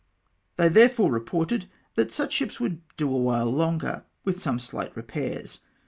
They therefore reported, that such ships would do awhile longer, with some slight repairs.